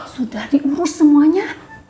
sudah diurus semuanya